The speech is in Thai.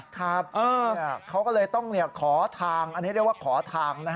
ครับเขาก็เลยต้องขอทางอันนี้เรียกว่าขอทาง